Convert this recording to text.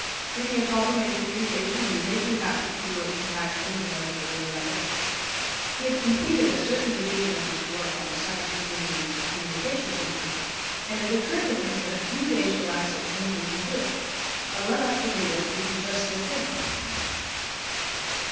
"Give me a problem in communication and you make me happy," he wrote to Hagstrom in one of his early letters. He had completed a certain division of his work on the Science Community's communication system, and it occurred to him that a few days' relaxation would do him good. A run up to New York would be just the thing.